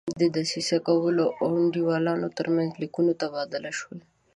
د دسیسه کوونکو او انډیوالانو ترمنځ لیکونه تبادله شول.